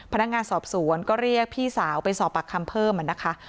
พนักงานสอบสวนก็เรียกพี่สาวไปสอบปากคำเพิ่มนะคะ